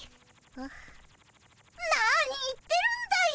何言ってるんだい。